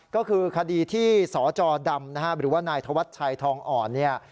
ก็คือคดีที่สจดำหรือว่านายธวัตรชัยทองอ่อน